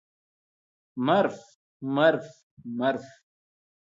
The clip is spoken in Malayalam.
മര്ഫ് മര്ഫ് മര്ഫ്